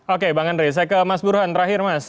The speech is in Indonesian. oke bang andre saya ke mas burhan terakhir mas